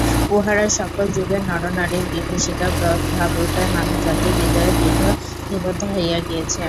উহারা সকল যুগের নরনারীর বিভীষিকাপ্রদ ভাবরূপে মানবজাতির হৃদয়ে দৃঢ়-নিবদ্ধ হইয়া গিয়াছে।